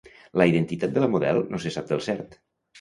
La identitat de la model no se sap del cert.